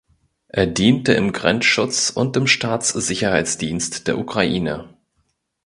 Er diente im Grenzschutz und im Staatssicherheitsdienst der Ukraine.